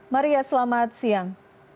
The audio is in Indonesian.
maria selamat siang